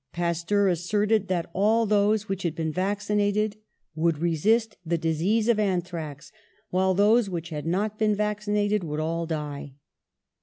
Pasteur asserted that all those which had been vaccinated would resist the disease of anthrax, while those which had not been vacci nated would all die.